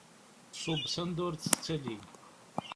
Tṣubb s anda ur d-tettali.